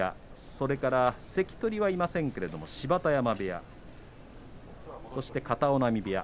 それから関取はいませんが芝田山部屋そして片男波部屋